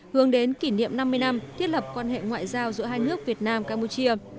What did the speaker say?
hướng đến kỷ niệm năm mươi năm thiết lập quan hệ ngoại giao giữa hai nước việt nam campuchia